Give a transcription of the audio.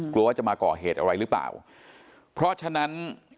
กลัวว่าจะมาก่อเหตุอะไรหรือเปล่าเพราะฉะนั้น